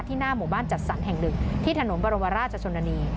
หน้าหมู่บ้านจัดสรรแห่งหนึ่งที่ถนนบรมราชชนนานี